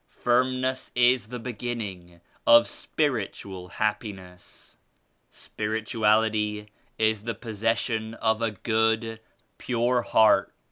Firmness is the beginning of spirit ual happiness." 17 "Spirituality is the possession of a good, pure heart.